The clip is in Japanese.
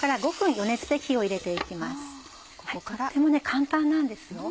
とっても簡単なんですよ。